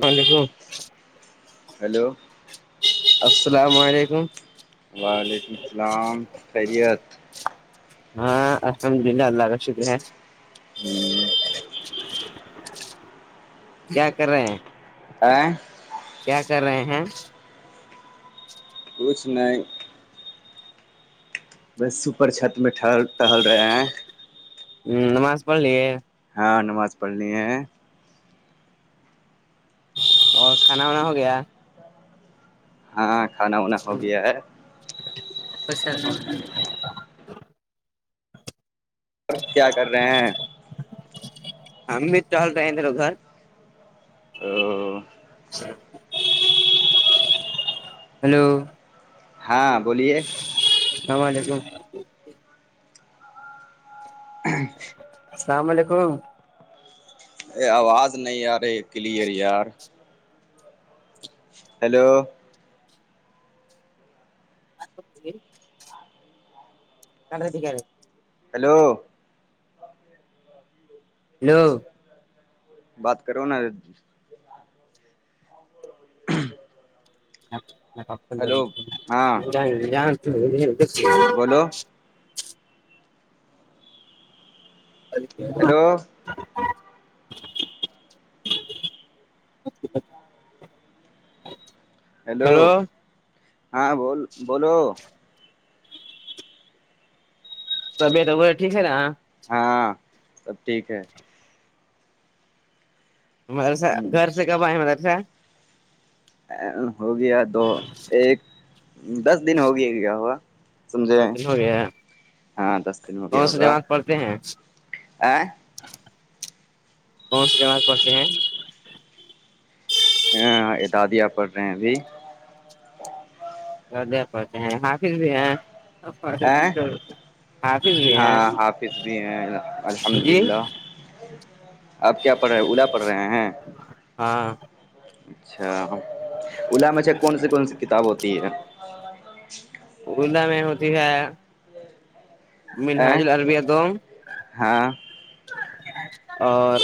ہاں لیک سو ہیلو السلام علیکم وعلیکم السلام خیریت ہاں الحمد للہ اللہ کا شکریہ ہے ہوں کیا کر رہے ہیں آ کیا کر رہے ہیں روچائی بس سوپر چھت میں ٹہل ٹہل رہے ہیں ہاں نمس پولی ہاں نماز پڑھنی ہے اور کھانا وانا ہو گیا ہاںاں کھانا وانا ہو گیا ہے اچھا کیا کر رہے ہیں ہم بھی چل رہے ہیں تیر گھر او ہلو ہاں بولیے اللام علیکم اچ السلام علیکم ا آواز نہیں آ رہی ہے کلیئر یار ہیلو آپ کڈتی کیا رہ ہیلو ہیلو بات کرو نا ھںں ہاں گب بولو ہیلو ھھ ھ ہیلو ہاں بول بولو طبیعت ہو وہ ٹھیک ہے نا ہاں سب ٹھیک ہے مدرسہ ہ گھر سے کب آئے مدرسہ ہو گیا دو ایک دس دن ہو گیا گ ہوا سمھے دو دن ہو گیا ہاں دس دن ہو گیا کون سی ہوگا جماعت پڑھتے ہیں آ کون سے جماز پڑنتے ہیں یہ دادیاں پڑھ رہے ہیں ابھی اور دیک پہچ ہیں حافظ بھی ہیں ا حافظ بھی ہیں ہاں حافظ بھی ہیں الحمد جی للہ آپ کیا پڑھ رہے اولا پڑھ رہے ہیں ہاں اچھا ا مچھا کون سی کون سی کتاب ہوتی ہے ہھیک ارولا میں ہوتی ہے ا منہاج العربیہ دوم ہاں اور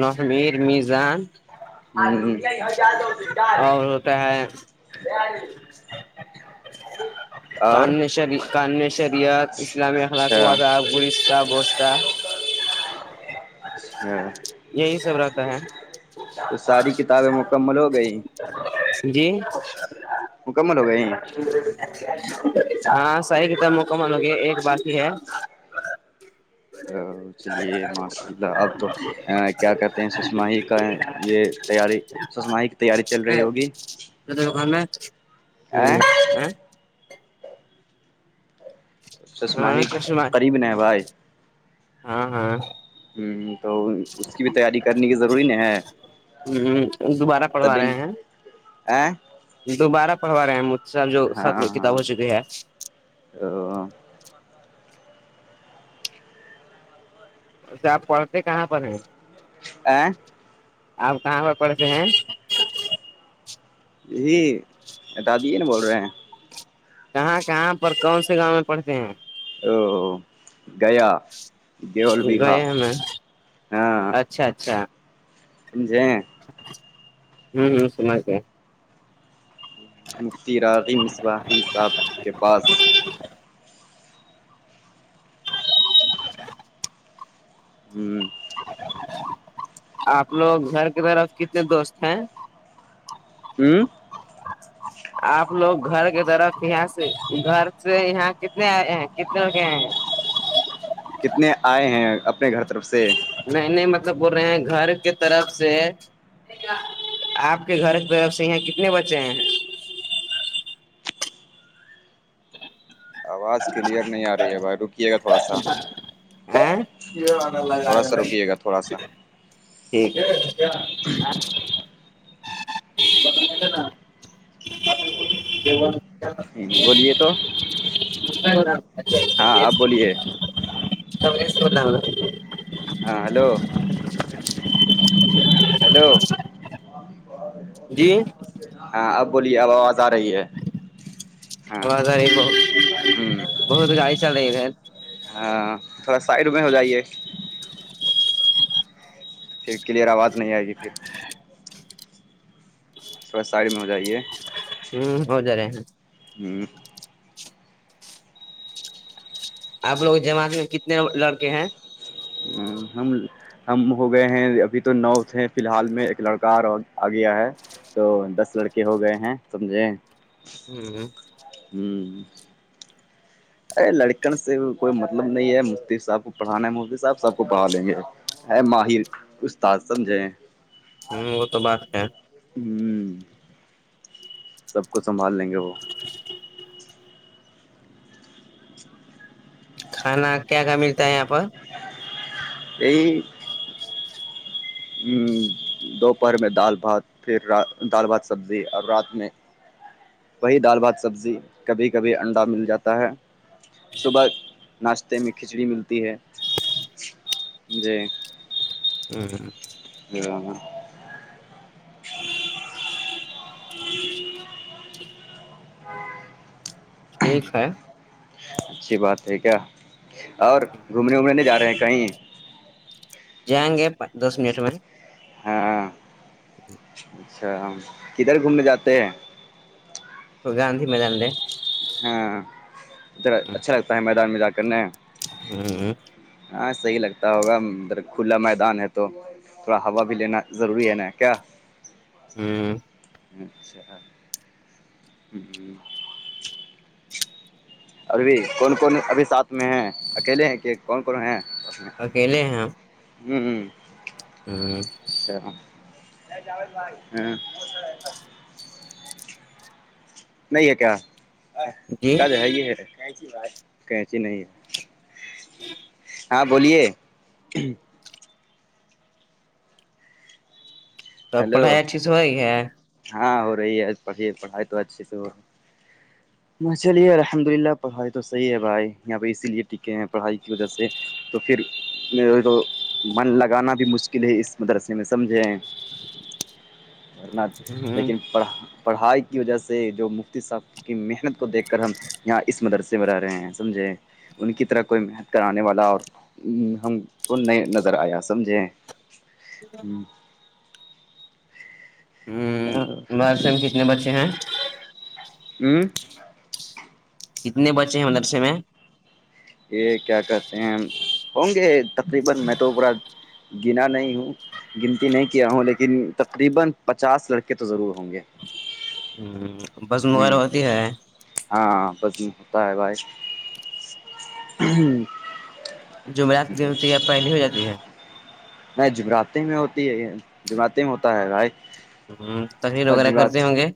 نمیر میزان ہاں یااد ہو کیاار اور ہوتا ہے اور کان شری کان شریعت اسلامی اخلاق اچھا واد آپ اڑیسہ بستا ہاں یہی سب رہتا ہے تو ساری کتابیں مکمل ہو گئییں جی مکمل ہو گئے یہ ہاں صحیح کتاب مکمل ہو گیا ایک بات ہی ہے ا چلیے ماشاء اللہ اب تو کیا کہتے ہیں سشماہی کا یہ تیاری سسمائی کی تیاری چل رہی ہوگی [unintelligible] ا ششماہی ہاں قریب نہبائے ہاں ہاں ہوں تو اس کی بھی تیاری کرنی کی ضروری نہیں ہے ہاں دوبارہ پڑھوا تبھی ن رہے ہیں ا دوبارہ پڑھوا رہے ہیں مجاح جو ختم کتاب ہو چکی ہے ا اچھا آپ پڑھتے کہاں پر ہیں ا آپ کہاں پر پڑھتے ہیں یہی اٹادے نا بول رہے ہیں کہاں کہاں پر کون سے گاؤں میں پڑھتے ہیں ا گیا دول بیگھہ گئے ہمیں ہاں اچھا اچھا سمھے ہوں ہ سمائ کیا مفتی راغی مصواحی صاحب کے پاس [unintelligible] ہوں آپ لوگ گھر کی طرف کتنے دوست ہیں ہوں آپ لوگ گھر کی طرف یہاں سے گھر سے یہاں کتنے آ ہیں کتنے لوگئے ہیں کتنے آئے ہیں اپنے گھر طرف سے میں نہیں مطلب بول رہے ہیں گھر کی طرف سے آپ کے گھر کی طرف سے یہاں کتنے بچے ہیں آواز کلیئر نہیں آ رہی ہے بھائی رکیے گا تھوڑا سا تھوڑا سا روکیے گا تھوڑا سا ٹھیک ہے [unintelligible] کیول بولیے تو ہاں آپ [unintelligible] بولیے سبس ل ہاں ہلو ہیلو ہاں اب بولیے آاز آازے ب ہوں بہت گاڑی چل رہی ہے ہاں تھوڑا سائڈ میں ہو جائیے پھر کلیئر آواز نہیں آئے گی پھر جی صبح سائڈ میں ہو جائیے ہوں ہو ج رہ ہوں آپ لوگ جماع میں کتنے لڑکے ہیں ہ ہم ہم ہو گئے ہیں ابھی تو نو تھ ہیں فی الحال میں ایک لڑکا آ گیا ہے تو دس لڑکے ہو گئے ہیں سمجھے ہوں ہوں ارے لڑکن سے کوئی مطلب نہیں ہے مصطیف صاحب کو پڑھانا ہے مفتیی صاحب صاحب کو پڑھ لیں گے ہے ماہر استاد سمجھیں ہوں وہ تو بات ہے ہوں [inaudible] سب کو سنبھال لیں گے وہ کھانا کیا کیا ملتا ہے یہاں پر یہ [inaudible] دوپہر میں دال بھات پھر دال بھات سبزی اور رات میں وہی دال بھات سبزی کبھی کبھی انڈا مل جاتا ہے صبح ناشتے میں کھچڑی ملتی ہے جی [unintelligible] [unintelligible] [unintelligible] ٹھیک ہے اچھی بات ہے کیا اور گھومنے وومنے نہیں جا رہے ہیں کہیں جائیں گے دس منٹ میں ہاں اچھا کدھر گھومنے جاتے ہیں تو گاندی میدان ر [inaudible] ہاں اھر اچھا لگتا ہے میدان میں جا کرنے ہوں [inaudible] ہاں صحیح لگتا ہوگا ادھر کھلا میدان ہے تو تھوڑا ہوا بھی لینا ضروری ہے نا کیا ہ [inaudible] اچھا ہ [inaudible] ابھی کون کون ابھی ساتھ میں ہے اکیلے ہیں کہ کون کون ہیں س اکیلے ہیں میں ہ ہ ہ سا ہ [inaudible] نہیں ہے کیا جی کیا جو ہے یہ ہے بچی نہیں ہے ہاں بولیے توب ہیلو پڑھائی اچھی سے ہوئی ہے ہاں ہو رہی ہے پڑھی پڑھائی تو اچھیے سے ہو رہی ہے ہاں چلیے الحمد للہ پڑھائی تو صحیح ہے بھائی یہاں پہ اسی لیے ٹکے ہیں پڑھائی کی وجہ سے تو پھر تو من لگانا بھی مشکل ہے اس مدرسے میں سمجھیں ہ لیکنڑھ پڑھائی کی وجہ سے جو مفتی صاح کی محنت کو دیکھ کر ہم یہاں اس مدرسے میں رہ رہے ہیں سمجھے ان کی طرح کوئی محنت کرانے والا اور ہم کو نہیں نظر آیا سمجھیں ج [inaudible] ہ مدرسے میں کتنے بچے ہیں ہوں [inaudible] اتنے بچے ہیں م نرسے میں [inaudible] گنتی نہیں کیا ہوں لیکن پچاس لڑکے تو ضرور ہوں گے ہ [inaudible] جی [inaudible] ہاں بس بھی ہوتا ہے بھائی جمعرات جو ہوتی ہے پہلی ہو جاتی ہے نہیں جمراتے میں ہوتی ہے جمراتے میں ہوتا ہے بھائی ہ تش وغیرہ کرتی جمرات م گے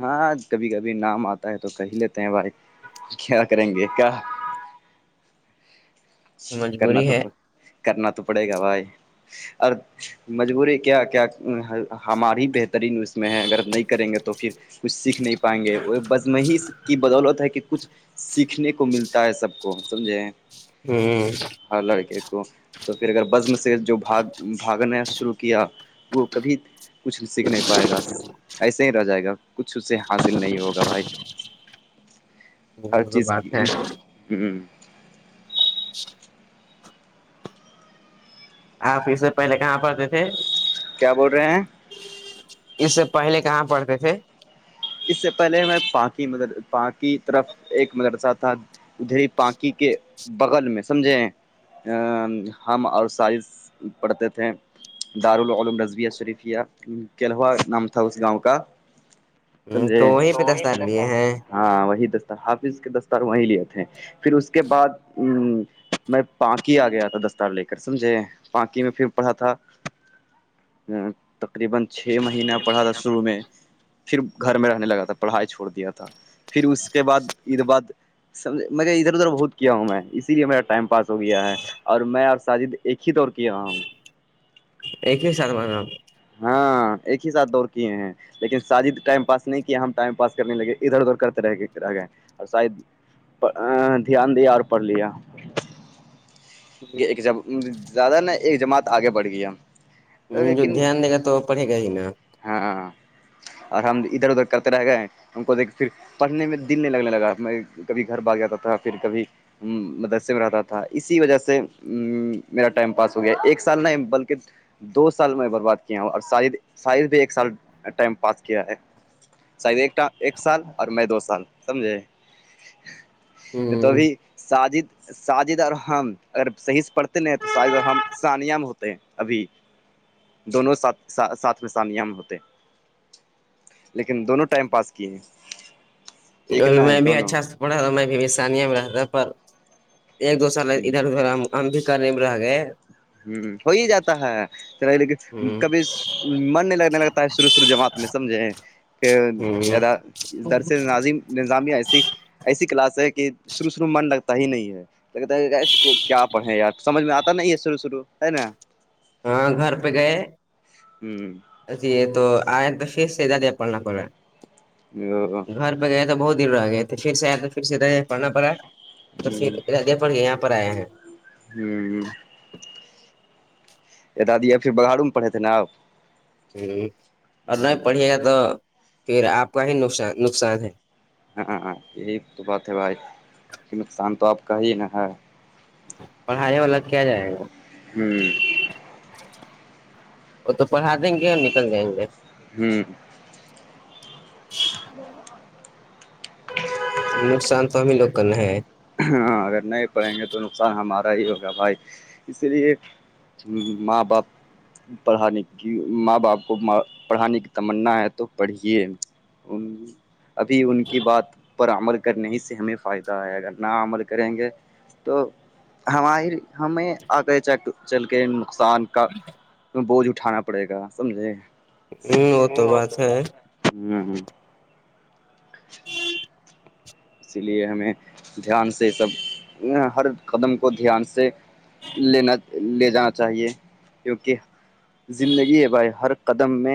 ہاں کبھی کبھی نام آتا ہے تو کہ ہی لیتے ہیں بھائی کیا کریں گے کیا کرنا مجبوری ہے توپ کرنا تو پڑے گا و یہ اور مجبوری کیا کیا ہماری ہی بہترین اس میں ہے اگر نہیں کریں گے تو پھر کچھ سیکھ نہیں پائیں گے اور بزمحیش کی بدولت ہے کہ کچھ سیکھنے کو ملتا ہے سب کو سمجھیں ہوں ہر لڑکے کو تو پھر اگر بزم سے جو بھاگ بھاگنا شروع کیا وہ کبھی کچھ سیکھ نہیں پائے گا ایسے ہی رہ جائے گا کچھ اس سے حاصل نہیں ہوگا بھائی ہر وہ تو چیز کی بات ہے ہاں سات [inaudible] آپ اس سے پہلے کہاں پڑھتے تھے کیا بول رہے ہیں اس سے پہلے کہاں پڑھتے تھے اس سے پہلے میں پ کی مدر پاک کی طرف ایک مدرسہ تھا ادری پانکی کے بغل میں سمجھے ہم اور سائز پڑھتے تھے دارالعلوم رضویہ شریفیہ کےلوہ نام تھا اس گاؤں کا ہ سمجھے تو وہیں پہ دستار لیے ہیں ہاں وہی د حافظ کے دستار وہ لیے تھے پھر اس کے بعد میں پانکی آ گیا تھا دستار لے کر سمجھے پانکی میں پھر پڑھا تھا تقریبا چھ مہینہ پڑھا تھا شروع میں پھر گھر میں رہنے لگا تھا پڑھائی چھوڑ دیا تھا پھر اس کے بعد اید بعد سمج میں ادھر ادھر بہت کیا ہوں میں اسی لیے میرا ٹائم پاس ہو گیا ہے اور میں اور ساجد ایک ہی طور کیا ہوں ایک ہی سال ہاں ایک ہی ساتھ دوڑ کیے ہیں لیکن شادیدد ٹائم پاس نہیں کیا ہم ٹائم پاس کرنے لگے ادھر ادھر کرتے رہ رہ گئے اور شاید دھیان دیا اور پڑھ لیا یہ ایک زیادہ نا ایک جماعت آگے بڑھ گئی ہ جو دھیان دے گا تو پڑھے گا ہی نا ہاں اور ہم ادھر ادھر کرتے رہ گئے ہم کو دیک پھر پڑھنے میں دل نہیں لگنے لگا میں کبھی گھر بھاگ جاتا تھا پھر کبھی مدرسے میں رہتا تھا اسی وجہ سے میرا ٹائم پاس ہو گیا ایک سال نہیں بلکہ دو سال میں برباد کیا ہوں اور شاید شاید بھی ایک سال ٹائم پاس کیا ہے شاید ایک ایک سال اور میں دو سال سمجھے ہ توبھی ساجد ساجد الحم اگر صحیح سے پڑھتے نہیں تو ساجد الحم ثانیا میں ہوتے ہیں ابھی دونوں ساتھ ساتھ میں سانیام ہوتے لیکن دونوں ٹائم پاس کیے ہیں ایک اور نہ ہے میں بھی دونوں اچھا سے پڑھا رہا میں بھیشانی میں رہتا پر ایک دوسر ل ہ ادھر ادھر ہم ہم بھی کرنے میں رہ گئے ہ ہو ہی جاتا ہے چ لیکن ہ کبھی مرنے لگنے لگتا ہے شروع شرع جماعت میں سمجھے کہ ہ در سے ناظم نظامیہ ایسی ایسی کلاس ہے کہ شروع شروع میں من لگتا ہی نہیں ہے تو کہ کیا پڑھیں یار سمجھ میں آتا نہیں ہے شرو شرو ہے نا ہاں گھر پہ گئے جی تو آ تو شیر سے جادیا پالنا پا ہاں بغیریا تو بہت دیرر آ گئے تھے پھر سے آیا تو پھر سے پڑھنا پڑا ہے تو پھر ادے پڑھ گ یہاں پر آیا ہیں ہوں یہ دادیب پھر باروں میں پڑے تھے ناپ ہاں اور نہیں پڑھیے گا تو پھر آپ کا ہی نقصان نقصان ہے ہاں ہاں یہی تو بات ہے بھائی کہ نقصان تو آپ کا ہی نہا ہے پڑھائی والا کیا جائے گا ہوں وہ تو پڑھا دیں گے اور نکل دائیں گے ہوں ب نقصان فمیی لوگ کرنا ہے ہاں اگر نہیں پڑیں گے تو نقصان ہمارا ہی ہوگا بھائی اسی لیے ہاں ماں باپ پڑھانے کی ماں باپ کو پڑھانے کی تمنا ہے تو پڑھیے ان ابھی ان کی بات پر عمل کرنے ہی سے ہمیں فائدہ ہے اگر ن عمل کریں گے تو ہماری ہمیں آگ چ چلکے نقصان کا بوجھ اٹھانا پڑے گا سمجھے ہوں وہ تو بات ہے ہوں ہ اسی لیے ہمیں دھیان سے سب ہر قدم کو دھیان سے لینا لے جانا چاہیے کیونکہ زندگی بائے ہر قدم میں